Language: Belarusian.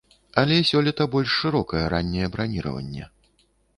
Але сёлета больш шырокае ранняе браніраванне.